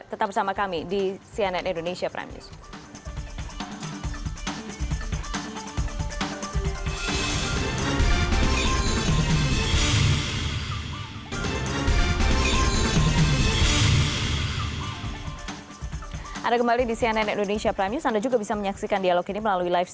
tetap bersama kami di cnn indonesia prime news